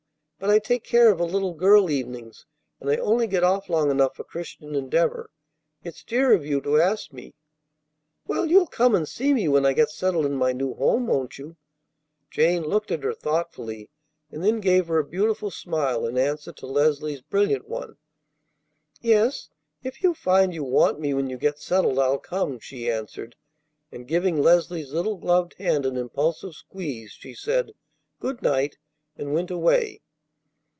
But I take care of a little girl evenings, and I only get off long enough for Christian Endeavor. It's dear of you to ask me." "Well, you'll come and see me when I get settled in my new home, won't you?" Jane looked at her thoughtfully, and then gave her a beautiful smile in answer to Leslie's brilliant one. "Yes, if you find you want me when you get settled, I'll come," she answered, and, giving Leslie's little gloved hand an impulsive squeeze, she said, "Good night," and went away.